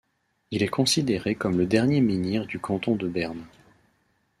Il est considéré comme le dernier menhir du canton de Berne.